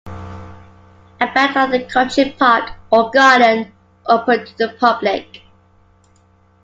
About are a country park or garden, open to the public.